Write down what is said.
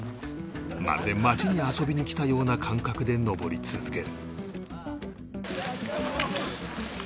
まるで街に遊びに来たような感覚で登り続ける